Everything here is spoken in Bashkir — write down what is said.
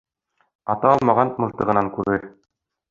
Ата алмаған мылтығынан күрер.